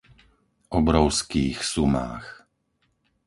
Obrovských sumách.